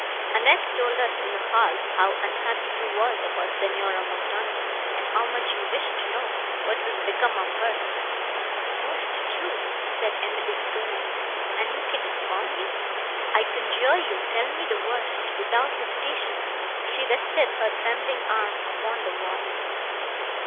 "Annette told us in the hall how unhappy you were about Signora Montoni, and how much you wished to know what was become of her." "Most true," said Emily eagerly, "and you can inform me. I conjure you tell me the worst, without hesitation." She rested her trembling arm upon the wall.